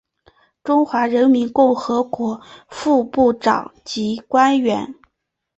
中华人民共和国副部长级官员。